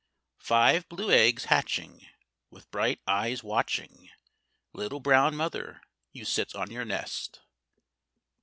Five blue eggs hatching, With bright eyes watching, Little brown mother, you sit on your nest.